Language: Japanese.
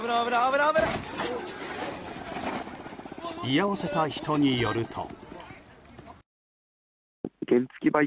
居合わせた人によると。